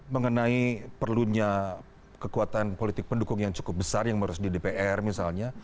mengenai perlunya kekuatan politik pendukung yang cukup besar yang menurut di dpr misalnya